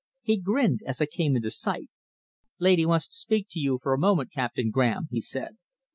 He grinned as I came into sight. 'Lady wants to speak to you for a moment, Captain Graham,' he said.